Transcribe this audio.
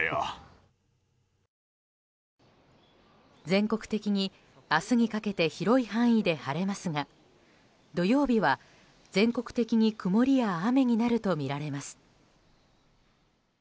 全国的に明日にかけて広い範囲で晴れますが土曜日は全国的に曇りや雨になるとみられます。